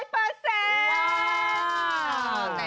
ว้าว